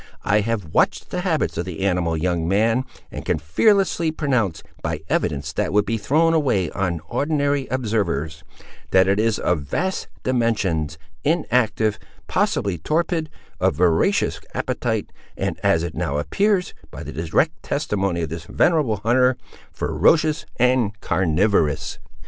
I have watched the habits of the animal, young man; and can fearlessly pronounce, by evidence that would be thrown away on ordinary observers, that it is of vast dimensions, inactive, possibly torpid, of voracious appetite, and, as it now appears by the direct testimony of this venerable hunter, ferocious and carnivorous!"